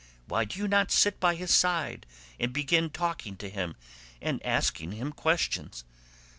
Why do you not sit by his side and begin talking to him and asking him questions?